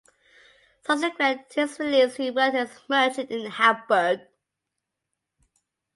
Subsequent to his release, he worked as a merchant in Hamburg.